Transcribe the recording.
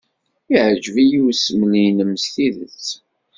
Yeɛjeb-iyi usmel-nnem s tidet.